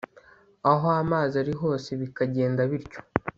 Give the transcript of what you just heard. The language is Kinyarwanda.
aho amazi ari hose bikagenda bityo